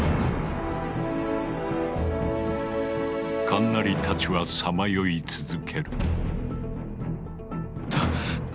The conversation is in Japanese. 神成たちはさまよい続ける。